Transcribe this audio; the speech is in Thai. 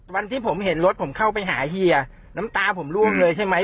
วันที่ผมเห็นรถผมเข้าไปหาเฮียน้ำตาผมร่วงเลยใช่ไหม